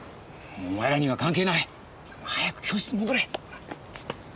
お前らには関係ない。早く教室に戻れ。